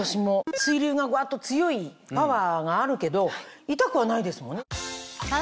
水流がガッと強いパワーがあるけど痛くはないですもんね。